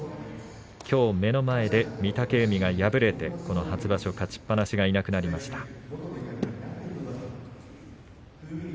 きょう目の前で御嶽海が敗れてこの初場所、勝ちっぱなしがいなくなりました。